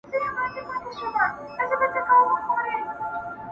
ښه پر بدوښه هغه دي قاسم یاره،